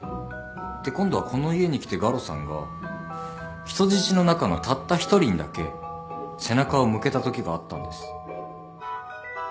で今度はこの家に来てガロさんが人質の中のたった一人にだけ背中を向けたときがあったんです。